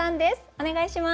お願いします。